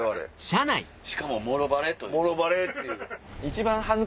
しかももろバレという。